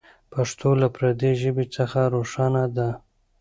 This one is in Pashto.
پښتو له پردۍ ژبې څخه روښانه ده.